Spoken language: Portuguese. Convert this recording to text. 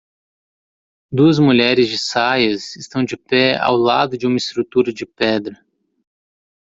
Duas mulheres de saias estão de pé ao lado de uma estrutura de pedra.